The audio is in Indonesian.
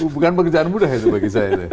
bukan pekerjaan mudah itu bagi saya